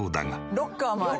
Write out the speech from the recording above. ロッカーもある！